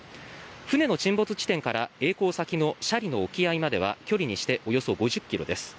船の沈没地点からえい航先の斜里の沖合までは距離にしておよそ５０ｋｍです。